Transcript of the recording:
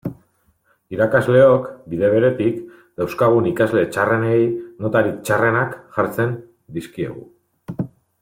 Irakasleok, bide beretik, dauzkagun ikasle txarrenei notarik txarrenak jartzen dizkiegu.